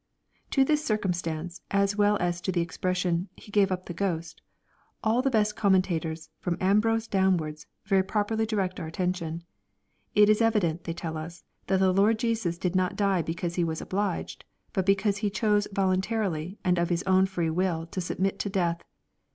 To this circumstance, as well as to the expression " He gave up the ghost," all the best commentators, from Ambrose downwards, very properly direct our attention. It is evident, they tell us, that the Lord Jesus did not die because He was obliged, but because He chose voluntarily and of His own free will to submit to death.